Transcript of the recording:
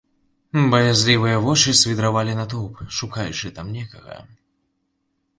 Баязлівыя вочы свідравалі натоўп, шукаючы там некага.